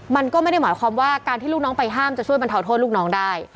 มันก็ไม่ได้หมายความว่าการที่ลูกน้องไปห้ามจะช่วยบรรเทาโทษลูกน้องได้